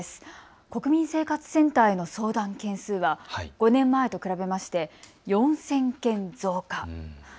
国民生活センターへの相談件数は５年前と比べまして４０００件増加。